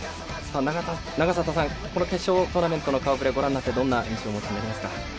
永里さん、この決勝トーナメントの顔ぶれご覧になって、どんな印象をお持ちになられますか？